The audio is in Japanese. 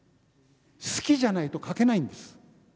好きじゃないと描けないんです。